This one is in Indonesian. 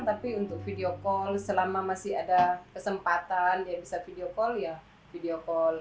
tapi untuk video call selama masih ada kesempatan ya bisa video call ya video call